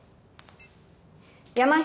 山下